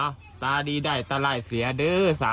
นี่ตาดีได้ตาไร้เสียเด้อ๓๔